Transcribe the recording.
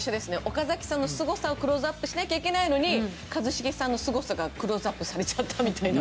岡崎さんのすごさをクローズアップしなきゃいけないのに一茂さんのすごさがクローズアップされちゃったみたいな。